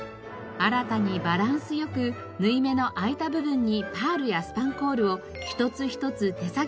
新たにバランス良く縫い目の空いた部分にパールやスパンコールを一つ一つ手作業